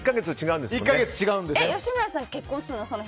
吉村さん、結婚するの？